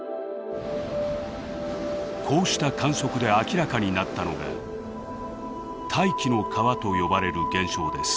こうした観測で明らかになったのが「大気の川」と呼ばれる現象です。